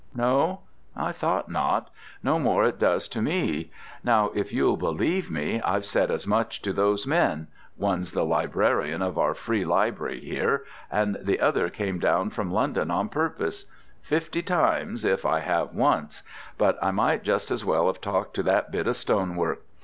No, I thought not; no more it does to me: now, if you'll believe me, I've said as much to those men one's the librarian of our Free Libry here, and the other came down from London on purpose fifty times, if I have once, but I might just as well have talked to that bit of stonework.